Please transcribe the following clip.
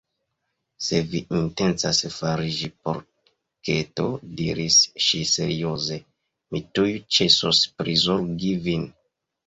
"Se vi intencas fariĝi porketo," diris ŝi serioze, "mi tuj ĉesos prizorgi vin!"